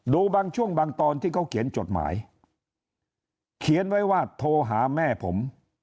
ดูบางช่วงบางตอนที่เขาเขียนจดหมายเขียนไว้ว่าโทรหาแม่ผม